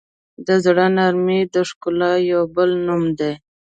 د زړه نرمي د ښکلا یو بل نوم دی.